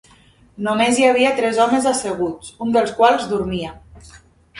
Només hi havia tres homes asseguts, un dels quals dormia.